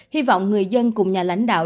hy vọng người dân cùng nhà lãnh đạo